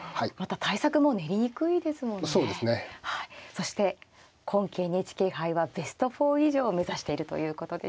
そして今期ＮＨＫ杯はベスト４以上を目指しているということでしたが。